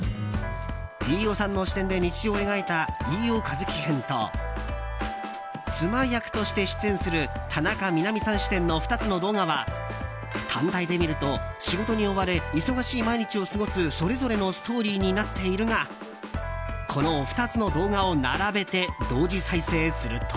飯尾さんの視点で日常を描いた飯尾和樹編と妻役として出演する田中みな実さん視点の２つの動画は単体で見ると、仕事に追われ忙しい毎日を過ごす、それぞれのストーリーになっているがこの２つの動画を並べて同時再生すると。